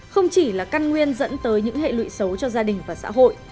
không chỉ là căn nguyên dẫn tới những hệ lụy xấu cho gia đình và xã hội